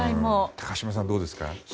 高島さんはどうですか？